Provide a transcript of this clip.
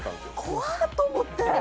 怖と思って。